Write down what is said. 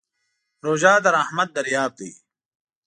روژه د رحمت دریاب دی.